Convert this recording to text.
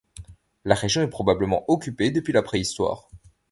La région est probablement occupée depuis la Préhistoire.